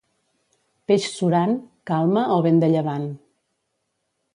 Peix surant: calma o vent de llevant.